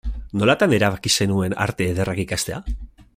Nolatan erabaki zenuen Arte Ederrak ikastea?